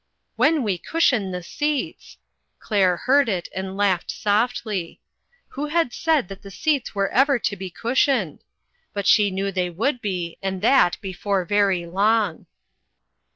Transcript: " When we cushion the seats !" Claire heard it, and laughed softly. Who had said that the seats were ever to be cushioned? But she knew they would be, and that be fore very long.